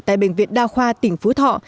tại bệnh viện đao khoa tỉnh phú thọ